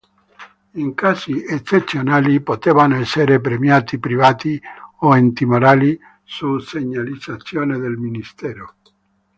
In casi eccezionali potevano essere premiati privati o Enti morali, su segnalazione del Ministero.